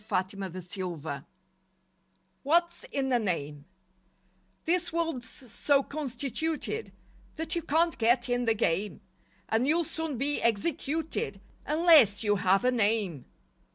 LIFE WAVES 11 WHAT'S IN A NAME This world's so constituted That you can't get in the game, And you'll soon be executed Unless you have a "name."